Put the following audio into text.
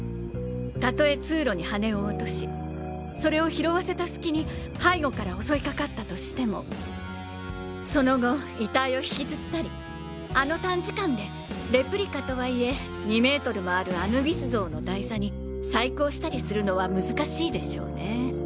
たとえ通路に羽根を落としそれを拾わせた隙に背後から襲いかかったとしてもその後遺体を引きずったりあの短時間でレプリカとはいえ２ｍもあるアヌビス像の台座に細工をしたりするのは難しいでしょうね。